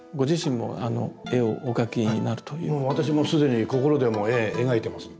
もう私も既に心でも絵描いてますので。